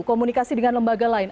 komunikasi dengan lembaga lain